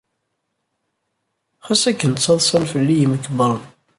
Ɣas akken ttaḍsan fell-i yimkebbren.